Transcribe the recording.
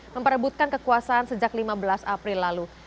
memperebutkan kekuasaan sejak lima belas april lalu